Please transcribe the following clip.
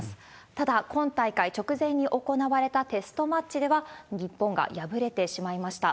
ただ、今大会直前に行われたテストマッチでは、日本が敗れてしまいました。